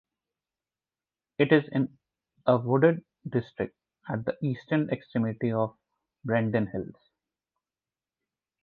It is in a wooded district at the eastern extremity of the Brendon Hills.